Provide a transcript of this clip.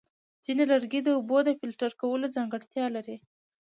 ځینې لرګي د اوبو د فلټر کولو ځانګړتیا لري.